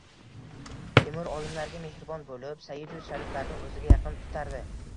Temur olimlarga mehribon bo‘lib, sayyidu shariflarni o‘ziga yaqin tutardi